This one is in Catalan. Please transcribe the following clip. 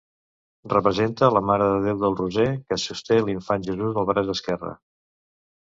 Representa la Mare de Déu del Roser que sosté l'Infant Jesús al braç esquerre.